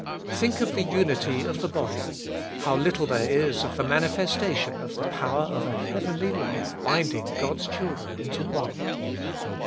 Think of the unity of the body — how little there is of the manifestation of the power of a heavenly love binding God's children into one.